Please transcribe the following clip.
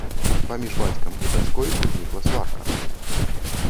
Паміж бацькам і дачкой узнікла сварка.